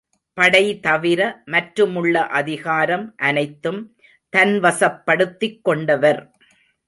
படை தவிர மற்றுமுள்ள அதிகாரம் அனைத்தும் தன்வசப்படுத்திக் கொண்டவர்.